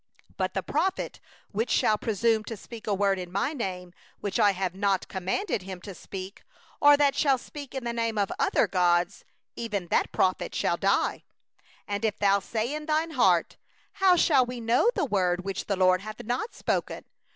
20But the prophet, that shall speak a word presumptuously in My name, which I have not commanded him to speak, or that shall speak in the name of other gods, that same prophet shall die.' 21And if thou say in thy heart: 'How shall we know the word which the LORD hath not spoken?